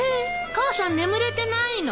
母さん眠れてないの？